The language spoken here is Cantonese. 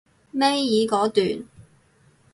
尾二嗰段